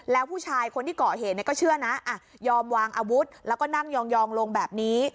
แล้วผู้ชายคนที่เกาะเหตุก็เชื่อนะยอมวางอาวุธแล้วก็นั่งยองลงแบบนี้